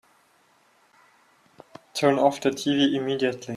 Turn off the tv immediately!